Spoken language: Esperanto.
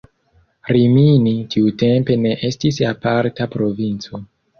Rimini tiutempe ne estis aparta provinco.